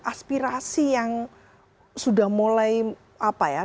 aspirasi yang sudah mulai apa ya